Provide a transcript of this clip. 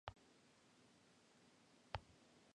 Están relacionados lingüísticamente con los creek y choctaw.